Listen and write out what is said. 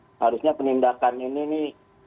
seharusnya penindakan ini nih